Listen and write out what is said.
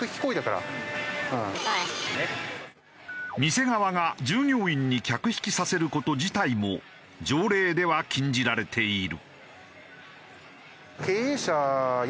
店側が従業員に客引きさせる事自体も条例では禁じられている。